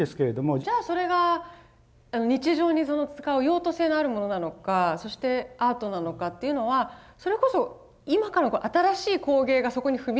じゃあそれが日常に使う用途性のあるものなのかそしてアートなのかっていうのはそれこそ今から新しい工芸がそこに踏み出してるということなのかも。